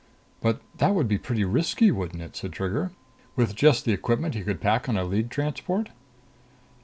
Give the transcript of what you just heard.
"But that would be pretty risky, wouldn't it?" said Trigger. "With just the equipment he could pack on a League transport."